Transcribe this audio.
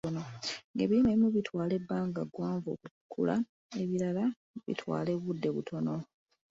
Nga ebirime ebimu bitwala ebbanga ggwanvu okukula, ebirala bitwala obudde butono.